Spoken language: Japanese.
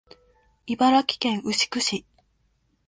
茨城県牛久市